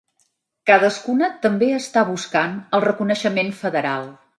Cadascuna també està buscant el reconeixement federal.